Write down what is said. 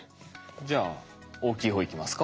じゃあ大きい方いきますか。